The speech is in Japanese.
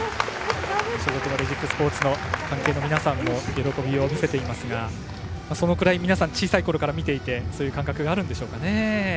所属のレジックスポーツの関係の皆さんも喜びを見せていますがそのくらい皆さん小さいころから見ていてそういう感覚があるんでしょうか。